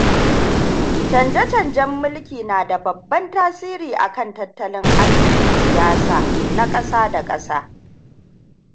Canza-canzan mulki nada babban tasiri akan tattalin arzikin siyasa na kasa da kasa.